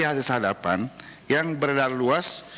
hasil sadapan yang beredar luas